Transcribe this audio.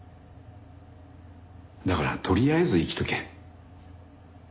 だからとりあえず生きとけ。